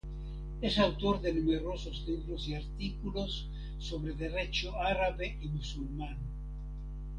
Es autor de numerosos libros y artículos sobre Derecho árabe y musulmán.